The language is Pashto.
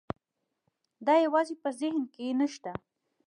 دا یوازې په ذهن کې نه شته.